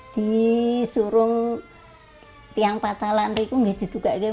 di surung tiang patah lantai tidak ditukar